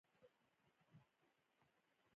زما پلار هم دغه ډول فکر کاوه.